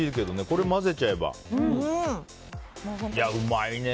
これを交ぜちゃえばね。